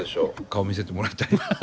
顔を見せてもらいたい。